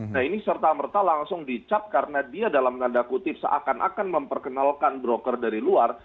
nah ini serta merta langsung dicap karena dia dalam tanda kutip seakan akan memperkenalkan broker dari luar